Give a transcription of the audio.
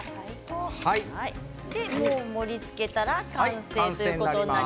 盛りつけたら完成です。